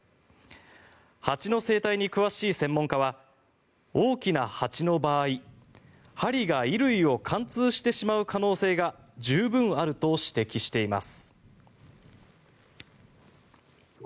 蜂の生態に詳しい専門家は大きな蜂の場合針が衣類を貫通してしまう可能性が十分あると指摘しています。